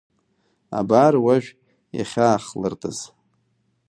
Абар уажә иахьаахлыртыз.